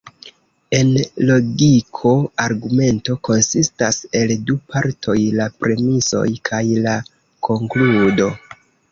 En logiko argumento konsistas el du partoj: la premisoj kaj la konkludo.